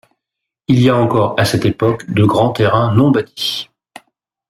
Il y a encore à cette époque de grands terrains non bâtis.